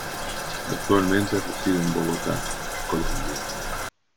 Actualmente reside en Bogotá, Colombia.